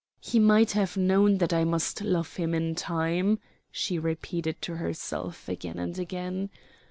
"He might have known that I must love him in time," she repeated to herself again and again.